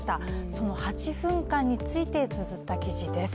その８分間についてつづった記事です。